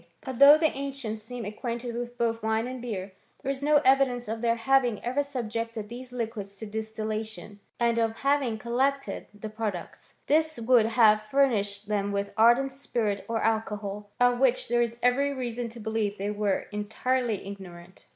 But though the ancients seem acquainted with both wine and beer, there is no evidence of their having ever subjected these liquids to distillation, and of having collected the products. This would have fur nished them with ardent spirits or alcohol, of which there is every reason to believe they were entirely ig norant.